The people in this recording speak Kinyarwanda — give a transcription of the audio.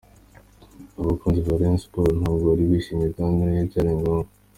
Abakunzi ba Rayon Sports ntabwo bari bishimye kandi nibyo byari ngombwa.